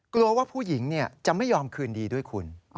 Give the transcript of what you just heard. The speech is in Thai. กลัวว่าผู้หญิงจะไม่ยอมคืนดีด้วยคุณ